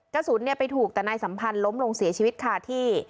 กระสุนไปถูกแต่นายสัมพันธ์ล้มลงเสียชีวิตค่ะที่